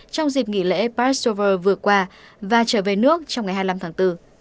trong dịp nghỉ lễ pasteur vừa qua và trở về nước trong ngày hai mươi năm tháng bốn